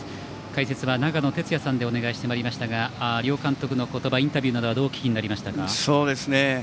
解説は長野哲也さんでお願いしてまいりましたが両監督の言葉インタビューなどはどうお聞きになりましたか？